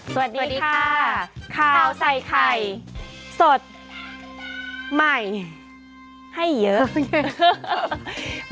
สวัสดีค่ะข้าวใส่ไข่สดใหม่ให้เยอะ